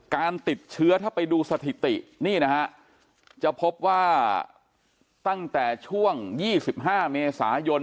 การติดเชื้อถ้าไปดูสถิตินี่นะฮะจะพบว่าตั้งแต่ช่วง๒๕เมษายน